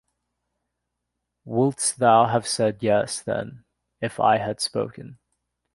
Wouldst thou have said 'Yes,' then, if I had spoken?